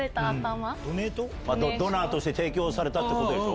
ドナーとして提供されたってことでしょ。